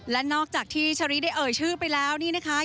และนอกจากที่ชาริได้เอ่ยชื่อไปแล้วนี่นะคะ